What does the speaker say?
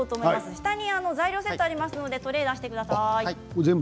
下に材料のセットがありますので取り出してください。